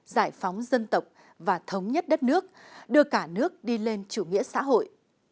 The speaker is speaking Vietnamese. giải phóng dân tộc và thống nhất đất nước đưa cả nước đi lên chủ nghĩa xã hội